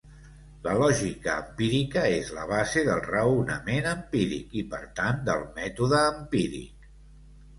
La lògica empírica és la base del raonament empíric i per tant del mètode empíric.